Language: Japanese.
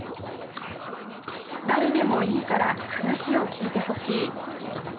「誰でもいいから話を聞いて欲しい。